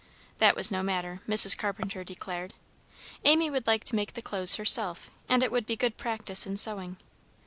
That was no matter, Mrs. Carpenter declared; Amy would like to make the clothes herself, and it would be good practice in sewing.